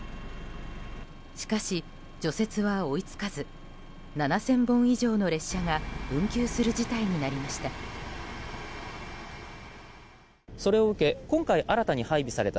しかし、除雪は追い付かず７０００本以上の列車が運休する事態になりました。